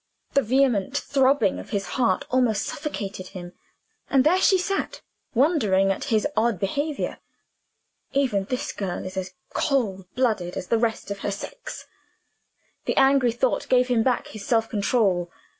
The vehement throbbing of his heart almost suffocated him. And there she sat, wondering at his odd behavior. "Even this girl is as cold blooded as the rest of her sex!" That angry thought gave him back his self control.